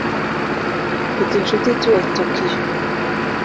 Mfite inshuti ituye Tokiyo.